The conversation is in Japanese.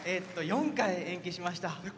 ４回、延期しました。